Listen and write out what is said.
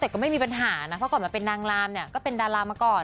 แต่ก็ไม่มีปัญหานะเพราะก่อนมาเป็นนางรามเนี่ยก็เป็นดารามาก่อน